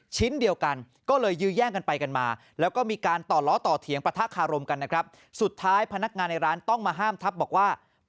ชิ้นเดียวกันก็เลยยื้อแย่งกันไปกันมา